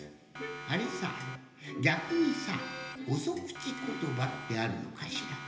あれさぎゃくにさおそくちことばってあるのかしら？